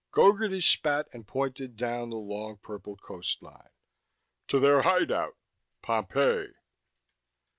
Gogarty spat and pointed down the long purple coastline. "To their hideout Pompeii!"